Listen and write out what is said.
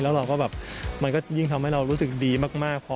แล้วเราก็แบบมันก็ยิ่งทำให้เรารู้สึกดีมาก